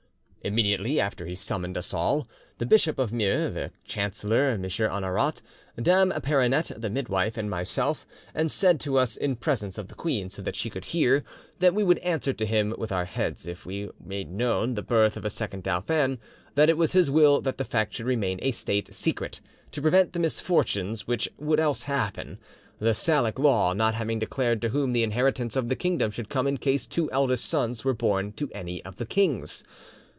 Immediately after he summoned us all, the Bishop of Meaux, the chancellor M. Honorat, Dame Peronete the midwife, and myself, and said to us in presence of the queen, so that she could hear, that we would answer to him with our heads if we made known the birth of a second dauphin; that it was his will that the fact should remain a state secret, to prevent the misfortunes which would else happen, the Salic Law not having declared to whom the inheritance of the kingdom should come in case two eldest sons were born to any of the kings.